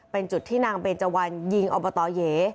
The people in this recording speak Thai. เป็นจุดที่นางเบนเจวันยิงอบตเย๋